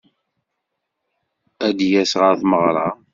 Ad d-yas ɣer tmeɣra.